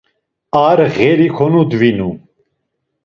Ar ğeri konudvinu.